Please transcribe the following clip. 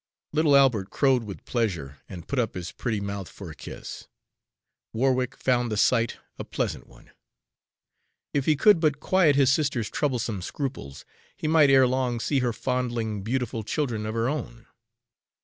Little Albert crowed with pleasure and put up his pretty mouth for a kiss. Warwick found the sight a pleasant one. If he could but quiet his sister's troublesome scruples, he might erelong see her fondling beautiful children of her own.